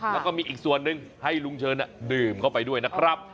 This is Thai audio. แล้วก็มีอีกส่วนหนึ่งให้ลุงเชิญดื่มเข้าไปด้วยนะครับ